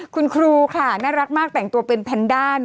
คุณครูค่ะน่ารักมากแต่งตัวเป็นแพนด้า